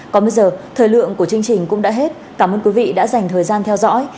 còn bây giờ thời lượng của chương trình cũng đã hết cảm ơn quý vị đã dành thời gian theo dõi